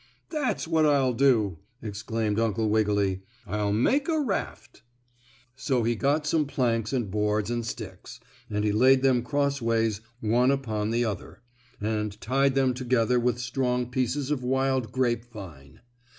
"That's what I'll do!" exclaimed Uncle Wiggily, "I'll make a raft." So he got some planks and boards and sticks, and he laid them crossways one upon the other, and tied them together with strong pieces of wild grape vine.